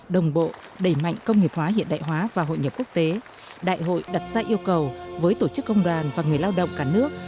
đồng bộ đẩy mạnh công nghiệp hóa hiện đại hóa và hội nhập quốc tế đại hội đặt ra yêu cầu với tổ chức công đoàn và người lao động cả nước